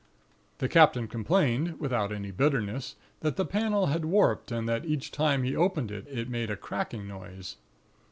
"The captain complained, without any bitterness, that the panel had warped, and that each time he opened it, it made a cracking noise.